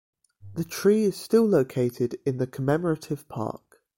The tree is still located in the commemorative park.